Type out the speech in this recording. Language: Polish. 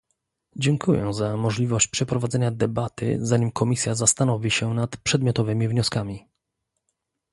Dziękuję za możliwość przeprowadzenia debaty zanim Komisja zastanowi się nad przedmiotowymi wnioskami